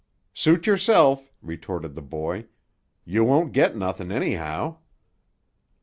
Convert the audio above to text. "Suit yerself," retorted the boy. "You won't get nothin', anyhow."